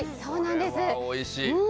おいしい。